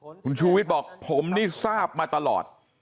วันนี้คุณชูวิทย์เปิดแถลงข่าวนะครับทุกผู้ชมครับ